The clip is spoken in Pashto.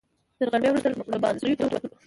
تر غرمې وروسته لمباځیو ته ووتلو.